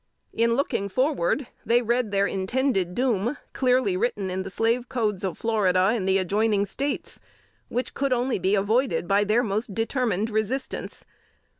In looking forward, they read their intended doom, clearly written in the slave codes of Florida and the adjoining States, which could only be avoided by their most determined resistance.